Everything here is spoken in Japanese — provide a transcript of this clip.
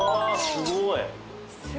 すごい。